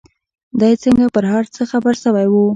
دى څنگه پر هر څه خبر سوى و.